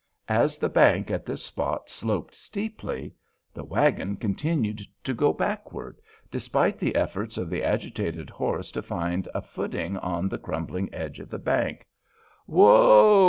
As the bank at this spot sloped steeply, the wagon continued to go backward, despite the efforts of the agitated horse to find a footing on the crumbling edge of the bank. "Whoa!"